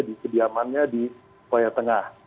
di kediamannya di koya tengah